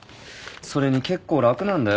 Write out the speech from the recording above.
それに結構楽なんだよ。